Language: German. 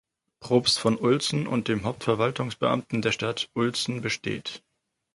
Propst von Uelzen und dem Hauptverwaltungsbeamten der Stadt Uelzen besteht.